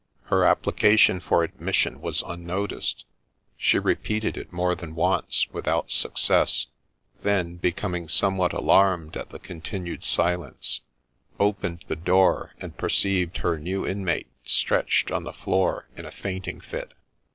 Her application for admission was unnoticed : she repeated it more than once, without success ; then, becoming somewhat alarmed at the continued silence, opened the door and perceived her new inmate stretched on the floor in a fainting fit.